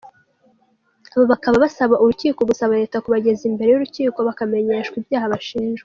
Aba bakaba basaba urukiko gusaba leta kubageza imbere y’urukiko bakamenyeshwa ibyaha bashinjwa.